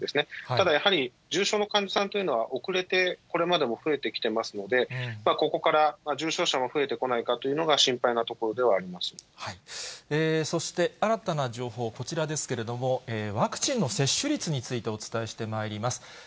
ただやっぱり、重症の患者さんというのは遅れてこれまでも増えてきてますので、ここから重症者が増えてこないかというのが心配なところではありそして新たな情報、こちらですけれども、ワクチンの接種率についてお伝えしてまいります。